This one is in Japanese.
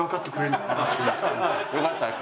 よかった。